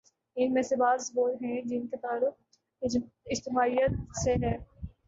ان میں سے بعض وہ ہیں جن کا تعلق اجتماعیت سے ہے۔